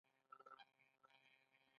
د لمر لپاره اسمان اړین دی